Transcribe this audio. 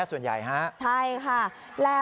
โอ้โห